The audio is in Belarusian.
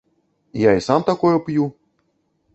Я і сам такое п'ю.